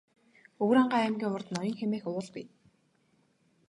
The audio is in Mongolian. Өвөрхангай аймгийн урд Ноён хэмээх уул бий.